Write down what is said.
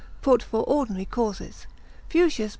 put for ordinary causes. Fuchsius, l.